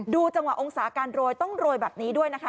จังหวะองศาการโรยต้องโรยแบบนี้ด้วยนะคะ